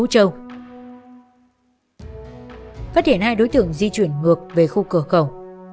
các đối tượng di chuyển ngược về khu cửa cầu